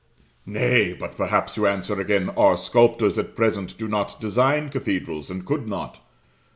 Nay, but perhaps you answer again, our sculptors at present do not design cathedrals, and could not.